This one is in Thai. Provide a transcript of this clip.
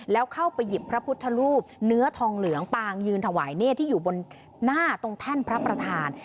แล้วเข้าไปหยิบพระพุทธรูปเนื้อทองเหลืองปางยืนถวายเนธที่อยู่บนหน้าตรงแท่นพระประธาน